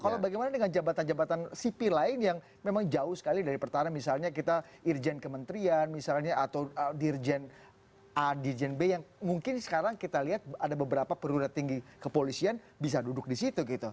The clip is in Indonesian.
kalau bagaimana dengan jabatan jabatan sipil lain yang memang jauh sekali dari pertahanan misalnya kita irjen kementerian misalnya atau dirjen a dirjen b yang mungkin sekarang kita lihat ada beberapa perwira tinggi kepolisian bisa duduk di situ gitu